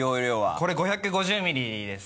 これ５５０ミリです。